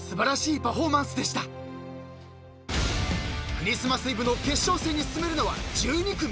［クリスマスイブの決勝戦に進めるのは１２組］